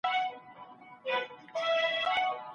که ړوند سړی بې ډاره وي، له ږیري سره به اتڼ وکړي.